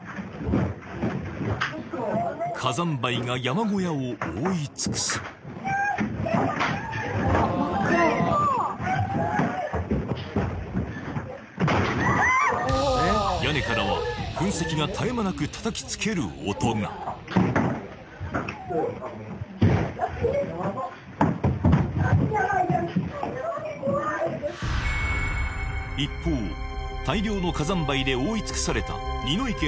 火山灰が山小屋を覆いつくす屋根からは噴石が絶え間なく叩きつける音が・やばいじゃんホントに怖い一方大量の火山灰で覆いつくされた二ノ池本館の中では